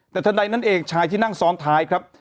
แต่ทันใดนั้นเองชายที่นั่งซ้อนท้ายครับ